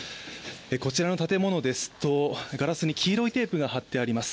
こちらの建物ですと、ガラスに黄色いテープが貼ってあります。